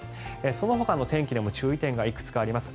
そのほかの天気でも注意点がいくつかあります。